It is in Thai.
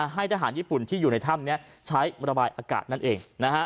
ให้ทหารญี่ปุ่นที่อยู่ในถ้ำนี้ใช้ระบายอากาศนั่นเอง